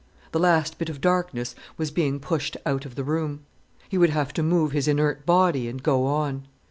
The last bit of darkness was being pushed out of the room. He would have to move his inert body and go on.